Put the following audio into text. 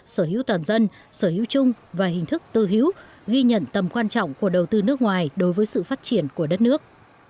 sở hữu toàn dân sở hữu chung và hình thức tư hữu ghi nhận tầm quan trọng của đầu tư nước ngoài đối với sự phát triển của đất nước